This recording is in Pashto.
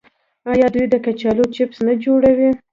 آیا دوی د کچالو چپس نه جوړوي؟